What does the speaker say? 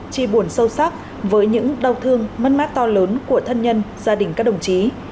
chi buồn sâu sắc với những đau thương mất mát to lớn của thân nhân gia đình các đồng chí